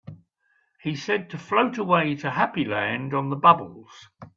He said to float away to Happy Land on the bubbles.